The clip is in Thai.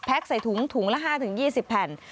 แพ็กใส่ถุงถุงละ๕ถึง๒๐แผ่น